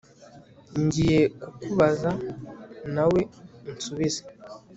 ngiye kukubaza, nawe unsubize.